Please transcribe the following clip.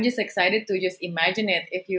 saya sangat teruja untuk membayangkannya